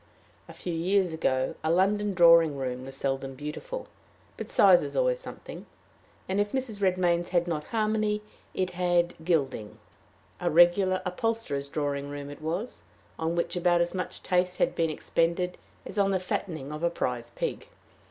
A few years ago, a London drawing room was seldom beautiful; but size is always something, and, if Mrs. Redmain's had not harmony, it had gilding a regular upholsterer's drawing room it was, on which about as much taste had been expended as on the fattening of a prize pig.